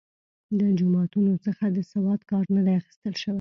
له جوماتونو څخه د سواد کار نه دی اخیستل شوی.